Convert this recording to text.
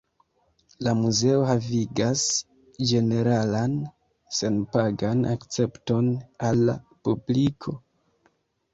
La muzeo havigas ĝeneralan senpagan akcepton al la publiko.